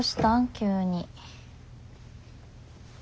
急に。